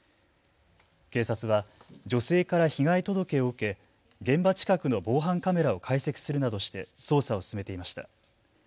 警察は女性から被害届を受け現場近くの防犯カメラを解析するなどして捜査を進めていました。